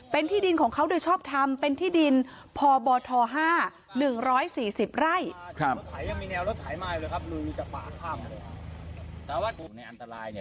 เป็นที่ดินของเขาโดยชอบทำเป็นที่ดินพบท๕๑๔๐ไร่